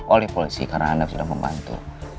oleh polisi karena anda sudah membantu